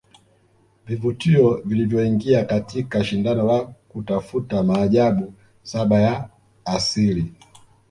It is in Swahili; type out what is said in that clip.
Vivutio vilivyoingia katika shindano la kutafuta maajabu saba ya Asili